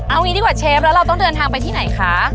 เอางี้ดีกว่าเชฟแล้วเราต้องเดินทางไปที่ไหนคะ